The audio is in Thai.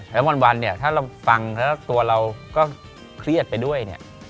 แล้ววันเนี่ยถ้าเราฟังแล้วตัวเราก็เครียดไปด้วยเนี่ย